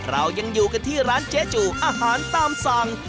เรายังอยู่กันที่ร้านเจ๊จูอาหารตามสั่ง